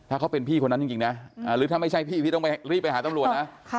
ถ้าเขาเป็นพี่คนนั้นจริงนะหรือถ้าไม่ใช่พี่พี่ต้องไปรีบไปหาตำรวจนะ